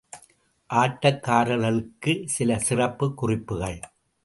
ஆட்டக்காரர்களுக்கு சில சிறப்புக் குறிப்புக்கள் ….